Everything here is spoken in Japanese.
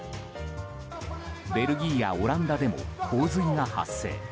ベルギーやオランダでも洪水が発生。